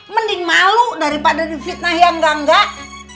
mending malu daripada di fitnah yang enggak enggak